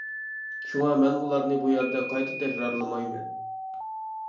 شۇڭا مەن ئۇلارنى بۇ يەردە قايتا تەكرارلىمايمەن.